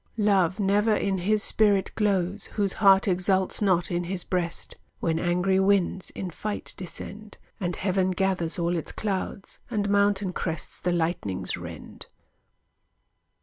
Love never in his spirit glows, Whose heart exults not in his breast, When angry winds in fight descend, And heaven gathers all its clouds, And mountain crests the lightnings rend.